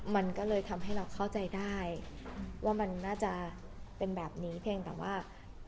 มันก็เลยทำให้เราเข้าใจได้ว่ามันน่าจะเป็นแบบนี้เพียงแต่ว่า